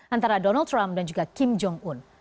antara donald trump dan juga kim jong un